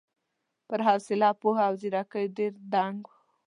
پر حوصله، پوهه او ځېرکۍ ډېر دنګ و.